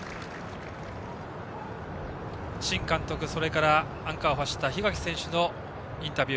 新監督、そしてアンカーを走った檜垣選手のインタビュー。